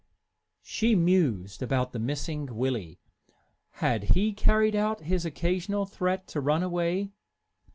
She mused about the missing Willie. Had he carried out his occasional threat to run away?